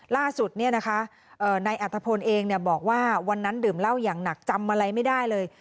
ล่าสุดนายอัตภพลเองบอกว่าวันนั้นดื่มเหล้าอย่างหนักจำอะไรไม่ได้เลย